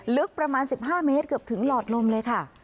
ลึกประมาณ๑๕เมตรเกือบถึงหลอดลมเลยค่ะ